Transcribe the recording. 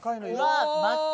うわっ！